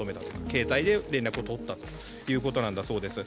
携帯で連絡を取ったということのようです。